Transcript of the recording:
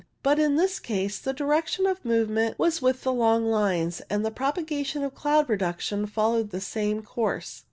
But in this case the direction of movement was with the long lines, and the propagation of cloud production followed the same course.